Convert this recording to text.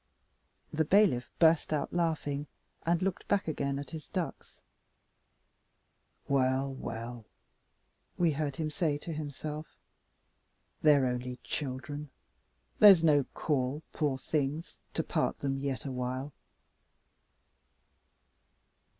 The bailiff burst out laughing, and looked back again at his ducks. "Well, well!" we heard him say to himself. "They're only children. There's no call, poor things, to part them yet awhile."